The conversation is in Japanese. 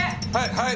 はい。